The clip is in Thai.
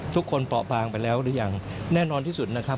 ทุกคนปอกฝ่างไปแล้วอย่างแน่นอนที่สุดนะครับ